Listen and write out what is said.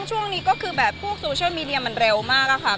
ช่วงนี้ก็คือแบบพวกโซเชียลมีเดียมันเร็วมากอะค่ะ